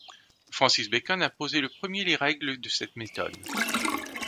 Francis Bacon a posé le premier les règles de cette méthode.